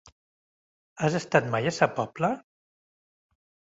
Has estat mai a Sa Pobla?